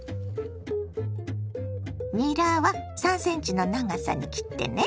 にらは３ｃｍの長さに切ってね。